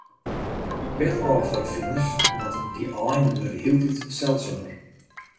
Pet ôf foar de finers, want dy aaien wurde hieltyd seldsumer.